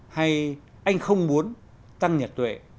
hay anh không muốn tăng nhật tuệ